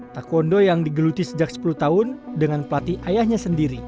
taekwondo yang digeluti sejak sepuluh tahun dengan pelatih ayahnya sendiri